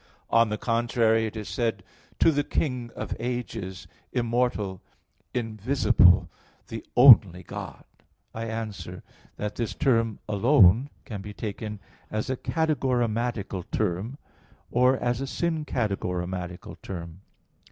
On the contrary, It is said, "To the King of ages, immortal, invisible, the only God" (1 Tim. 1:17). I answer that, This term "alone" can be taken as a categorematical term, or as a syncategorematical term.